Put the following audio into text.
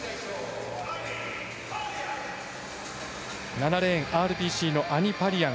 ７レーンＲＰＣのアニ・パリアン。